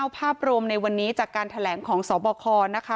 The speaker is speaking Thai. ภาพรวมในวันนี้จากการแถลงของสบคนะคะ